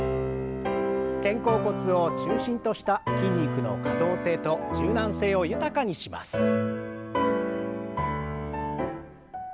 肩甲骨を中心とした筋肉の可動性と柔軟性を豊かにします。